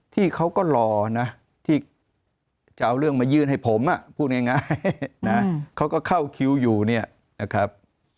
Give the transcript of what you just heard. ที่เขาก็รอนะที่จะเอาเรื่องมายื่นให้ผมพูดง่ายนะเขาก็เข้าคิวอยู่เนี่ยนะครับ